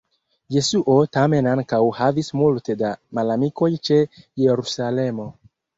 Jesuo tamen ankaŭ havis multe da malamikoj ĉe Jerusalemo.